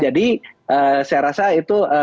jadi saya rasa itu